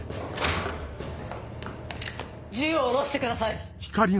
銃を下ろしてください。